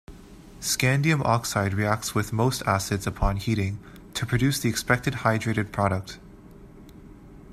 Scandium oxide reacts with most acids upon heating, to produce the expected hydrated product.